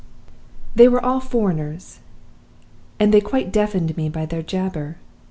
"They were all foreigners, and they quite deafened me by their jabber.